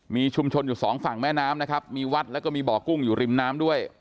มีชุมชนอยู่สองฝั่งแม่น้ำนะครับมีวัดแล้วก็มีบ่อกุ้งอยู่ริมน้ำด้วย